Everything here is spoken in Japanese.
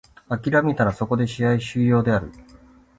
諦めたらそこで試合終了である。